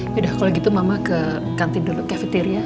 yaudah kalau gitu mama ke kantin dulu cafeteria